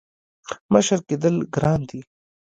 • مشر کېدل ګران دي.